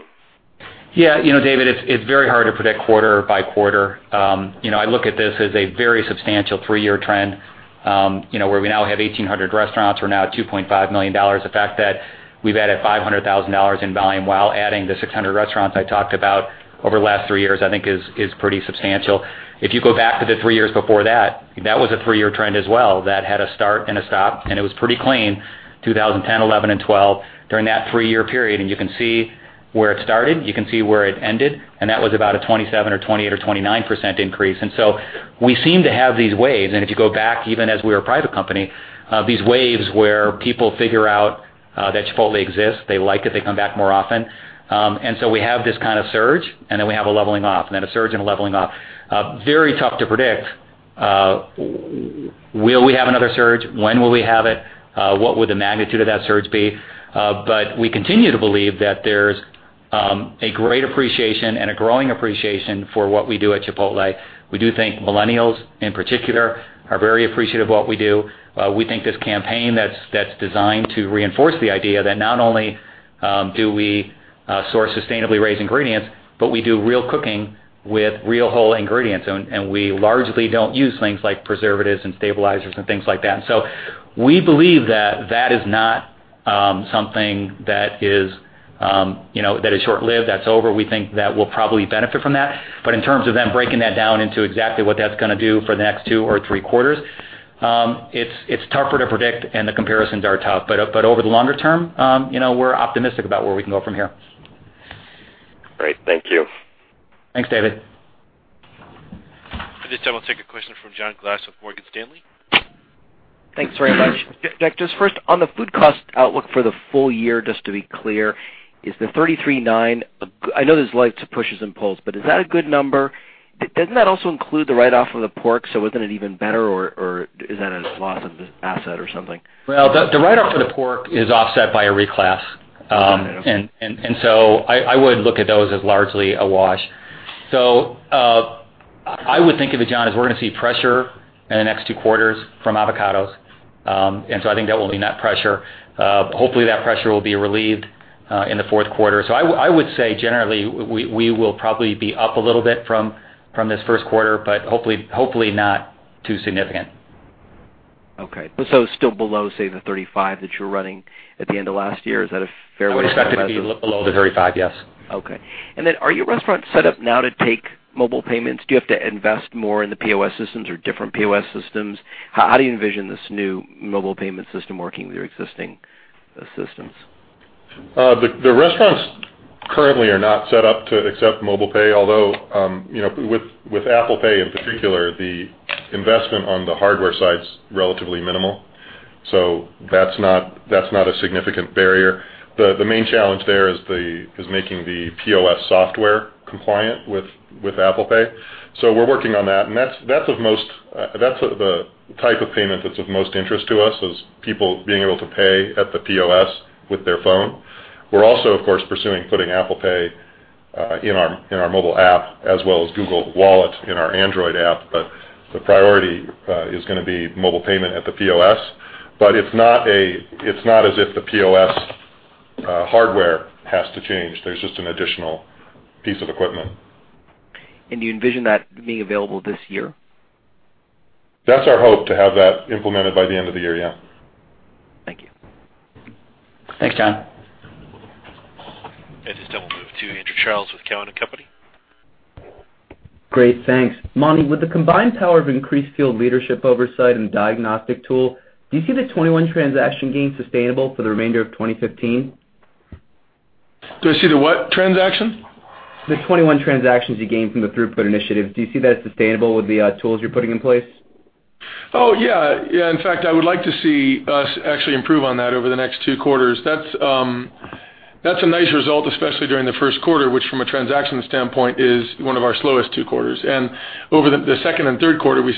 David, it's very hard to predict quarter by quarter. I look at this as a very substantial three-year trend, where we now have 1,800 restaurants. We're now at $2.5 million. The fact that we've added $500,000 in volume while adding the 600 restaurants I talked about over the last three years, I think is pretty substantial. If you go back to the three years before that was a three-year trend as well that had a start and a stop, and it was pretty clean, 2010, 2011, and 2012, during that three-year period. You can see where it started, you can see where it ended, and that was about a 27% or 28% or 29% increase. We seem to have these waves, if you go back, even as we were a private company, these waves where people figure out that Chipotle exists, they like it, they come back more often. We have this kind of surge, then we have a leveling off, then a surge and a leveling off. Very tough to predict. Will we have another surge? When will we have it? What would the magnitude of that surge be? We continue to believe that there's a great appreciation and a growing appreciation for what we do at Chipotle. We do think Millennials, in particular, are very appreciative of what we do. We think this campaign that's designed to reinforce the idea that not only do we source sustainably raised ingredients, we do real cooking with real whole ingredients, and we largely don't use things like preservatives and stabilizers and things like that. We believe that that is not something that is short-lived, that's over. We think that we'll probably benefit from that. In terms of then breaking that down into exactly what that's going to do for the next two or three quarters, it's tougher to predict and the comparisons are tough. Over the longer term, we're optimistic about where we can go from here. Great. Thank you. Thanks, David. At this time, I'll take a question from John Glass with Morgan Stanley. Thanks very much. Jack, just first, on the food cost outlook for the full year, just to be clear, is the 33.9-- I know there's light pushes and pulls, but is that a good number? Doesn't that also include the write-off of the pork, so wasn't it even better, or is that a loss of asset or something? Well, the write-off for the pork is offset by a reclass. Okay. I would look at those as largely a wash. I would think of it, John, as we're going to see pressure in the next two quarters from avocados. I think that will be net pressure. Hopefully, that pressure will be relieved in the fourth quarter. I would say generally, we will probably be up a little bit from this first quarter, but hopefully not too significant. Okay. Still below, say, the 35 that you were running at the end of last year. Is that a fair way to think of it? I would expect it to be below the 35, yes. Okay. Are your restaurants set up now to take mobile payments? Do you have to invest more in the POS systems or different POS systems? How do you envision this new mobile payment system working with your existing systems? The restaurants currently are not set up to accept mobile pay, although, with Apple Pay in particular, the investment on the hardware side's relatively minimal. That's not a significant barrier. The main challenge there is making the POS software compliant with Apple Pay. We're working on that, and that's the type of payment that's of most interest to us, is people being able to pay at the POS with their phone. We're also, of course, pursuing putting Apple Pay in our mobile app as well as Google Wallet in our Android app. The priority is going to be mobile payment at the POS. It's not as if the POS hardware has to change. There's just an additional piece of equipment. Do you envision that being available this year? That's our hope, to have that implemented by the end of the year, yeah. Thank you. Thanks, John. At this time, we'll move to Andrew Charles with Cowen and Company. Great, thanks. Monty, with the combined power of increased field leadership oversight and diagnostic tool, do you see the 21 transaction gain sustainable for the remainder of 2015? Do I see the what transaction? The 21 transactions you gained from the throughput initiative, do you see that as sustainable with the tools you're putting in place? Yeah. In fact, I would like to see us actually improve on that over the next two quarters. That's a nice result, especially during the first quarter, which from a transaction standpoint is one of our slowest two quarters. Over the second and third quarter, we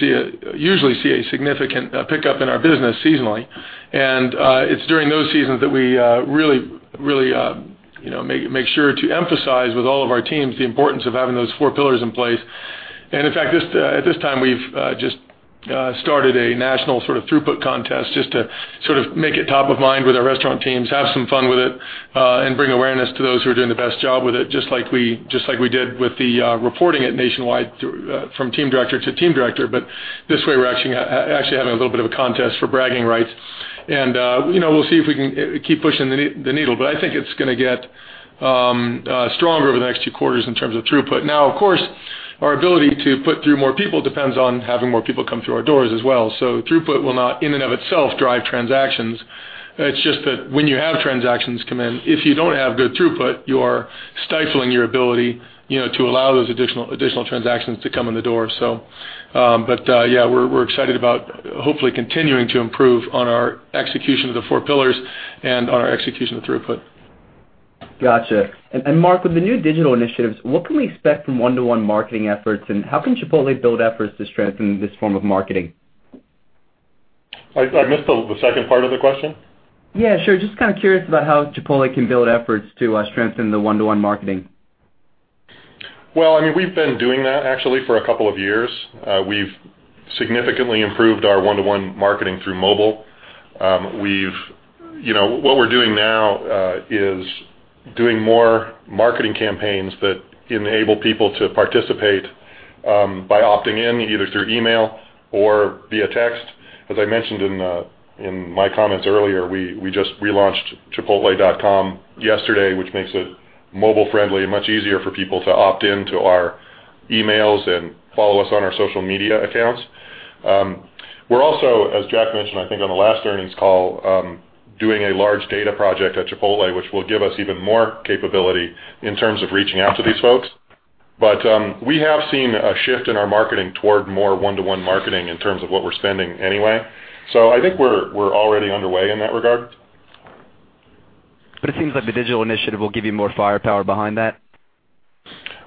usually see a significant pickup in our business seasonally. It's during those seasons that we really make sure to emphasize with all of our teams the importance of having those four pillars in place. In fact, at this time, we've just started a national throughput contest just to make it top of mind with our restaurant teams, have some fun with it, and bring awareness to those who are doing the best job with it, just like we did with the reporting it nationwide from team director to team director. This way, we're actually having a little bit of a contest for bragging rights. We'll see if we can keep pushing the needle, I think it's going to get stronger over the next two quarters in terms of throughput. Of course, our ability to put through more people depends on having more people come through our doors as well. Throughput will not in and of itself drive transactions. It's just that when you have transactions come in, if you don't have good throughput, you are stifling your ability to allow those additional transactions to come in the door. Yeah, we're excited about hopefully continuing to improve on our execution of the four pillars and on our execution of throughput. Gotcha. Mark, with the new digital initiatives, what can we expect from one-to-one marketing efforts, and how can Chipotle build efforts to strengthen this form of marketing? I missed the second part of the question. Yeah, sure. Just curious about how Chipotle can build efforts to strengthen the one-to-one marketing. Well, we've been doing that actually for a couple of years. We've significantly improved our one-to-one marketing through mobile. What we're doing now is doing more marketing campaigns that enable people to participate by opting in, either through email or via text. As I mentioned in my comments earlier, we just relaunched chipotle.com yesterday, which makes it mobile friendly and much easier for people to opt in to our emails and follow us on our social media accounts. We're also, as Jack mentioned, I think on the last earnings call, doing a large data project at Chipotle, which will give us even more capability in terms of reaching out to these folks. We have seen a shift in our marketing toward more one-to-one marketing in terms of what we're spending anyway. I think we're already underway in that regard. It seems like the digital initiative will give you more firepower behind that.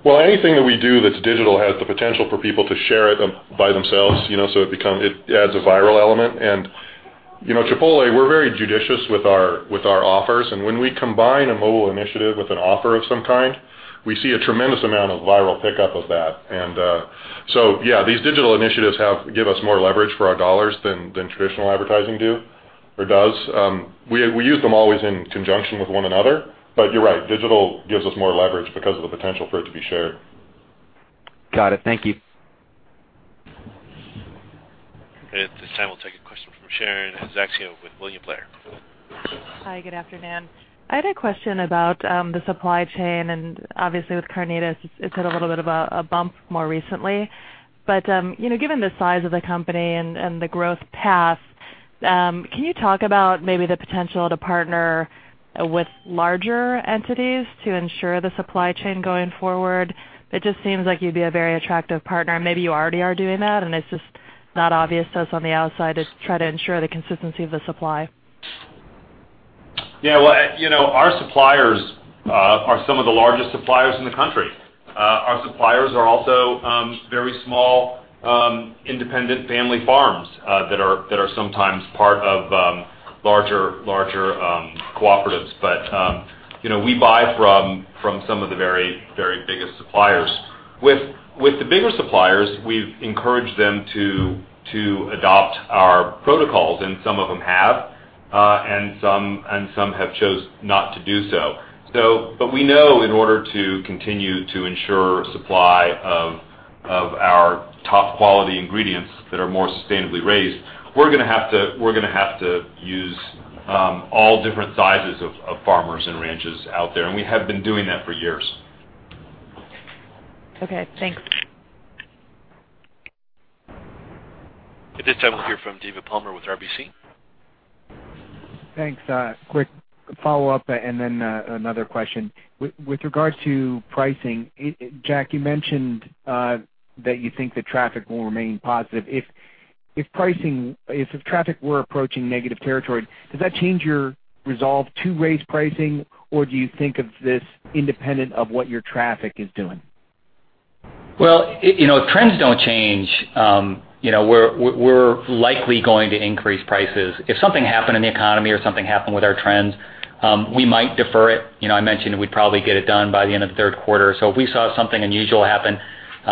Anything that we do that's digital has the potential for people to share it by themselves, so it adds a viral element. Chipotle, we're very judicious with our offers. When we combine a mobile initiative with an offer of some kind, we see a tremendous amount of viral pickup of that. Yeah, these digital initiatives give us more leverage for our dollars than traditional advertising do or does. We use them always in conjunction with one another. You're right, digital gives us more leverage because of the potential for it to be shared. Got it. Thank you. At this time, we'll take a question from Sharon Zackfia with William Blair. Hi, good afternoon. I had a question about the supply chain, and obviously with carnitas, it's hit a little bit of a bump more recently. Given the size of the company and the growth path, can you talk about maybe the potential to partner with larger entities to ensure the supply chain going forward? It just seems like you'd be a very attractive partner, and maybe you already are doing that, and it's just not obvious to us on the outside to try to ensure the consistency of the supply. Yeah. Our suppliers are some of the largest suppliers in the country. Our suppliers are also very small, independent family farms that are sometimes part of larger cooperatives. We buy from some of the very biggest suppliers. With the bigger suppliers, we've encouraged them to adopt our protocols, and some of them have, and some have chose not to do so. We know in order to continue to ensure supply of our top-quality ingredients that are more sustainably raised, we're going to have to use all different sizes of farmers and ranches out there, and we have been doing that for years. Okay, thanks. At this time, we'll hear from David Palmer with RBC. Thanks. Then another question. With regard to pricing, Jack, you mentioned that you think the traffic will remain positive. If the traffic were approaching negative territory, does that change your resolve to raise pricing, or do you think of this independent of what your traffic is doing? Well, if trends don't change, we're likely going to increase prices. If something happened in the economy or something happened with our trends, we might defer it. I mentioned we'd probably get it done by the end of the third quarter. If we saw something unusual happen,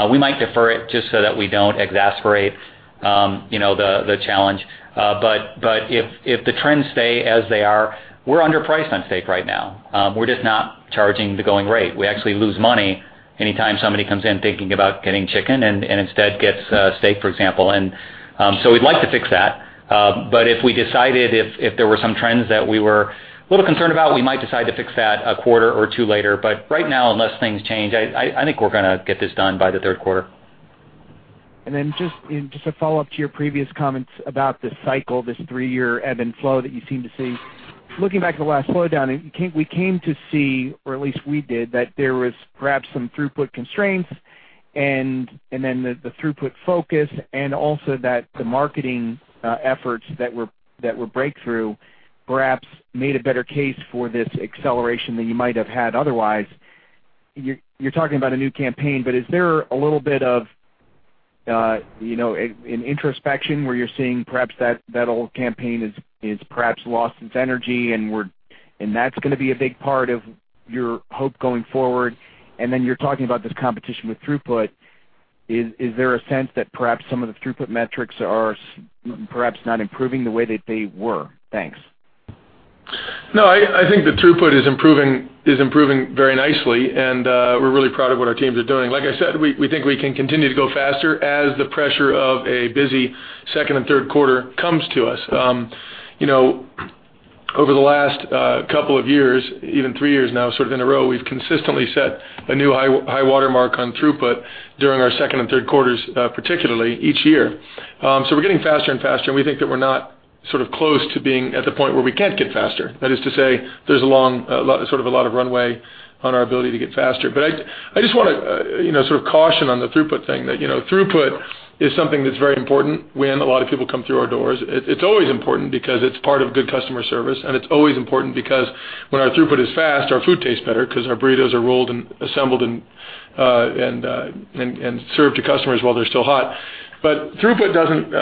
we might defer it just so that we don't exasperate the challenge. If the trends stay as they are, we're underpriced on steak right now. We're just not charging the going rate. We actually lose money anytime somebody comes in thinking about getting chicken and instead gets steak, for example. We'd like to fix that. If we decided if there were some trends that we were a little concerned about, we might decide to fix that a quarter or two later. Right now, unless things change, I think we're going to get this done by the third quarter. Just a follow-up to your previous comments about this cycle, this 3-year ebb and flow that you seem to see. Looking back at the last slowdown, we came to see, or at least we did, that there was perhaps some throughput constraints and then the throughput focus, and also that the marketing efforts that were breakthrough perhaps made a better case for this acceleration than you might have had otherwise. You're talking about a new campaign, is there a little bit of an introspection where you're seeing perhaps that old campaign has perhaps lost its energy, and that's going to be a big part of your hope going forward? You're talking about this competition with throughput. Is there a sense that perhaps some of the throughput metrics are perhaps not improving the way that they were? Thanks. No, I think the throughput is improving very nicely, and we're really proud of what our teams are doing. Like I said, we think we can continue to go faster as the pressure of a busy second and third quarter comes to us. Over the last couple of years, even 3 years now sort of in a row, we've consistently set a new high water mark on throughput during our second and third quarters, particularly each year. We're getting faster and faster, and we think that we're not close to being at the point where we can't get faster. That is to say, there's a lot of runway on our ability to get faster. I just want to caution on the throughput thing that throughput is something that's very important when a lot of people come through our doors. It's always important because it's part of good customer service, and it's always important because when our throughput is fast, our food tastes better because our burritos are rolled and assembled, and served to customers while they're still hot. Throughput doesn't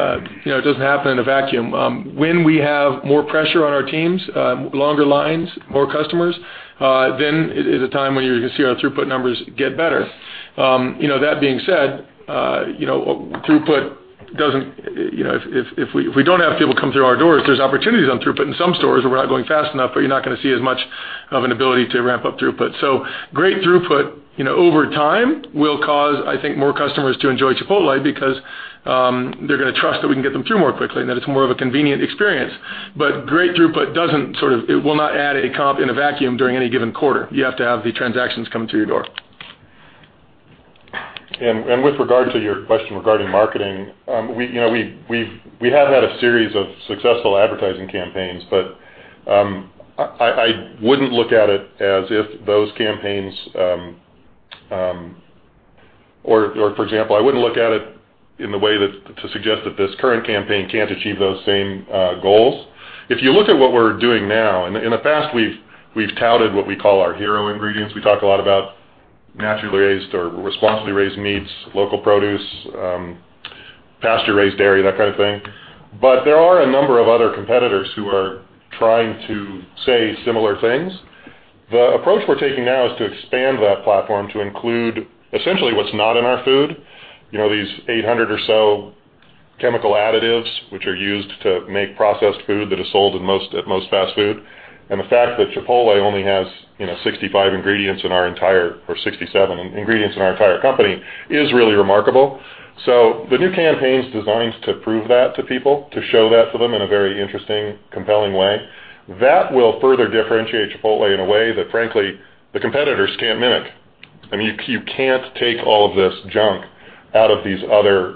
happen in a vacuum. When we have more pressure on our teams, longer lines, more customers, then is a time when you're going to see our throughput numbers get better. That being said, If we don't have people come through our doors, there's opportunities on throughput in some stores where we're not going fast enough, you're not going to see as much of an ability to ramp up throughput. Great throughput over time will cause, I think, more customers to enjoy Chipotle because they're going to trust that we can get them through more quickly and that it's more of a convenient experience. It will not add a comp in a vacuum during any given quarter. You have to have the transactions coming through your door. With regard to your question regarding marketing, we have had a series of successful advertising campaigns, I wouldn't look at it in the way to suggest that this current campaign can't achieve those same goals. If you look at what we're doing now, in the past, we've touted what we call our hero ingredients. We talk a lot about naturally raised or responsibly raised meats, local produce, pasture-raised dairy, that kind of thing. There are a number of other competitors who are trying to say similar things. The approach we're taking now is to expand that platform to include essentially what's not in our food. These 800 or so chemical additives, which are used to make processed food that is sold at most fast food. The fact that Chipotle only has 65 ingredients in our entire, or 67 ingredients in our entire company is really remarkable. The new campaign's designed to prove that to people, to show that to them in a very interesting, compelling way. That will further differentiate Chipotle in a way that, frankly, the competitors can't mimic. I mean, you can't take all of this junk out of these other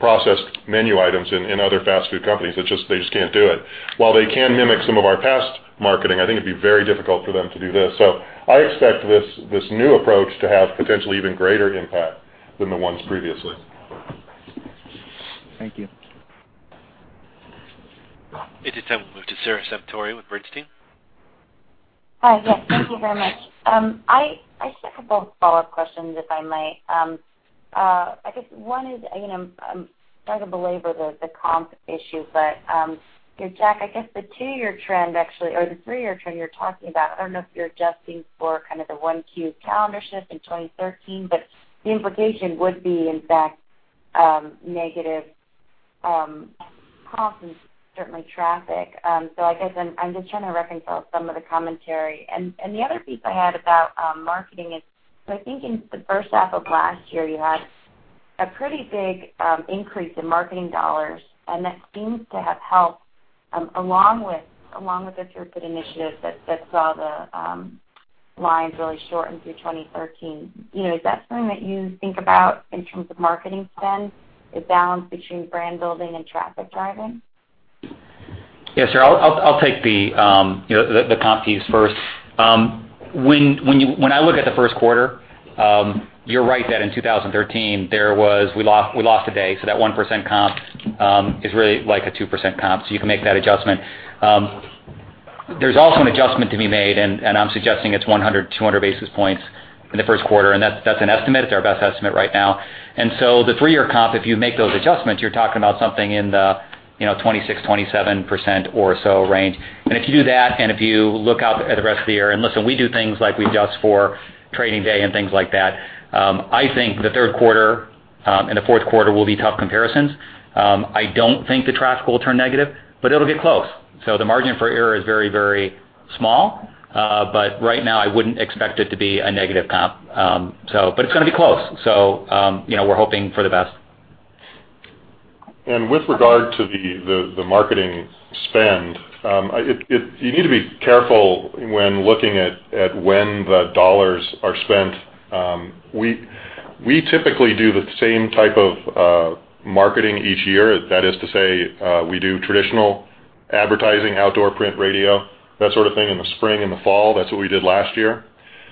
processed menu items in other fast food companies. They just can't do it. While they can mimic some of our past marketing, I think it'd be very difficult for them to do this. I expect this new approach to have potentially even greater impact than the ones previously. Thank you. At this time, we'll move to Sara Senatore with Bernstein. Hi. Yes, thank you very much. I just have a couple of follow-up questions, if I may. I guess one is, I'm starting to belabor the comp issue, but Jack, I guess the two-year trend actually, or the three-year trend you're talking about, I don't know if you're adjusting for kind of the 1Q calendar shift in 2013, but the implication would be, in fact, negative comps and certainly traffic. I guess I'm just trying to reconcile some of the commentary. The other piece I had about marketing is, I think in the first half of last year, you had a pretty big increase in marketing dollars, and that seems to have helped, along with the throughput initiative that saw the lines really shorten through 2013. Is that something that you think about in terms of marketing spend, the balance between brand building and traffic driving? Yes, Sara, I'll take the comp piece first. When I look at the first quarter, you're right that in 2013, we lost a day, so that 1% comp is really like a 2% comp. You can make that adjustment. There's also an adjustment to be made, and I'm suggesting it's 100 to 200 basis points in the first quarter, and that's an estimate. It's our best estimate right now. The three-year comp, if you make those adjustments, you're talking about something in the 26%, 27% or so range. If you do that, if you look out at the rest of the year, listen, we do things like we just for Training Day and things like that. I think the third quarter and the fourth quarter will be tough comparisons. I don't think the traffic will turn negative, but it'll get close. The margin for error is very small. Right now, I wouldn't expect it to be a negative comp. It's going to be close. We're hoping for the best. With regard to the marketing spend, you need to be careful when looking at when the dollars are spent. We typically do the same type of marketing each year. That is to say, we do traditional advertising, outdoor print, radio, that sort of thing in the spring and the fall. That's what we did last year.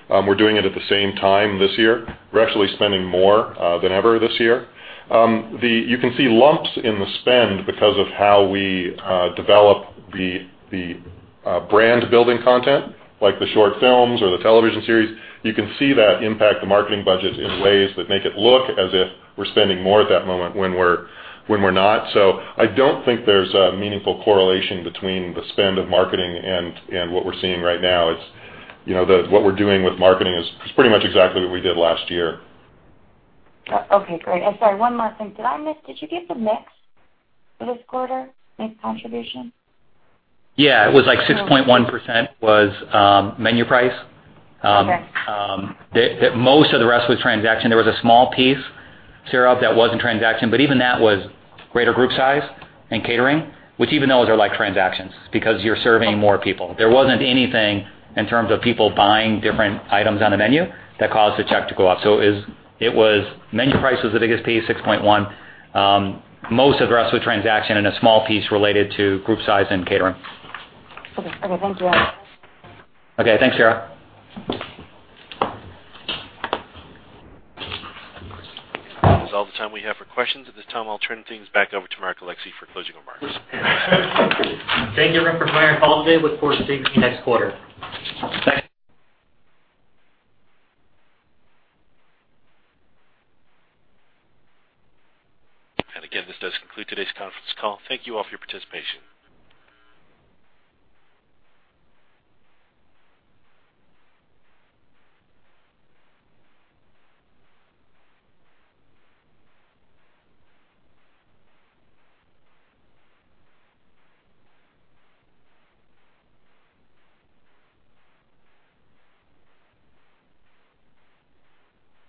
We're doing it at the same time this year. We're actually spending more than ever this year. You can see lumps in the spend because of how we develop the brand-building content, like the short films or the television series. You can see that impact the marketing budget in ways that make it look as if we're spending more at that moment when we're not. I don't think there's a meaningful correlation between the spend of marketing and what we're seeing right now. What we're doing with marketing is pretty much exactly what we did last year. Okay, great. Sorry, one more thing. Did I miss, did you give the mix for this quarter? Mix contribution? Yeah, it was like 6.1% was menu price. Okay. Most of the rest was transaction. There was a small piece, Sara, that wasn't transaction, even that was greater group size and catering, which even those are like transactions because you're serving more people. There wasn't anything in terms of people buying different items on the menu that caused the check to go up. Menu price was the biggest piece, 6.1%. Most of the rest was transaction and a small piece related to group size and catering. Okay. Thanks, Jack. Okay. Thanks, Sara. That is all the time we have for questions. At this time, I'll turn things back over to Mark Alexee for closing remarks. Thank you, everyone, for joining our call today. Look forward to speaking to you next quarter. Bye. Again, this does conclude today's conference call. Thank you all for your participation.